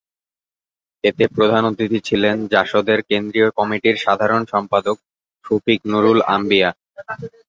এতে প্রধান অতিথি ছিলেন জাসদের কেন্দ্রীয় কমিটির সাধারণ সম্পাদক শরীফ নুরুল আম্বিয়া।